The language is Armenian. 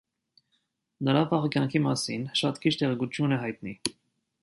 Նրա վաղ կյանքի մասին շատ քիչ տեղեկություն է հայտնի։